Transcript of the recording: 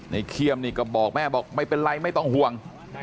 เขี้ยมนี่ก็บอกแม่บอกไม่เป็นไรไม่ต้องห่วง